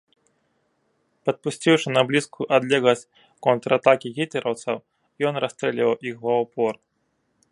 Падпусціўшы на блізкую адлегласць контратакі гітлераўцаў, ён расстрэльваў іх ва ўпор.